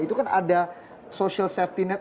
itu kan ada social safety net